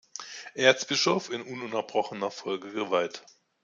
Erzbischof in ununterbrochener Folge geweiht.